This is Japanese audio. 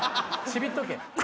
ちびっとけ。